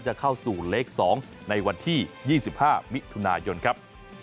จะเข้าสู่เลข๒ในวันที่๒๕มิถุนายนครับ